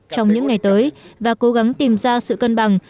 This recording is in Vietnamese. trong những ngày tới và cố gắng tìm ra sự cân bằng